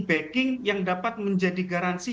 backing yang dapat menjadi garansi